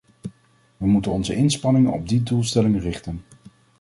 We moeten onze inspanningen op die doelstelling richten.